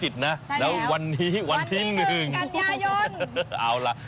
ใช่แล้ววันนี้วันที่หนึ่งกับยะยนต์โอ้แล้ว